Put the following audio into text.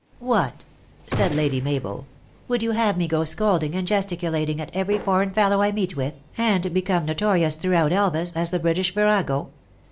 "What!" said Lady Mabel. "Would you have me go scolding and gesticulating at every foreign fel low I meet with, and become notorious throughout Elvas as the British virago